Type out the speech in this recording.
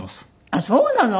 あっそうなの？